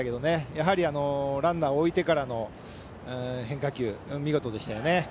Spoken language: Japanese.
やはり、ランナーを置いてからの変化球、見事でしたよね。